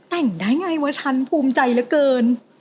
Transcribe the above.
แต่งได้ไงวะฉันภูมิใจเหลือเกิน